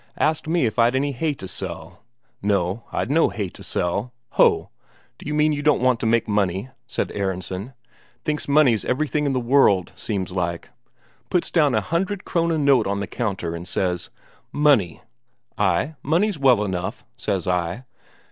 Asked me if I'd any hay to sell. No, I'd no hay to sell. 'Ho, d'you mean you don't want to make money?' said Aronsen. Thinks money's everything in the world, seems like. Puts down a hundred Krone note on the counter, and says 'Money!' 'Ay, money's well enough,' says I.